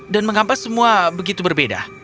dan mengapa semua begitu berbeda